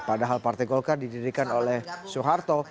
padahal partai golkar didirikan oleh soeharto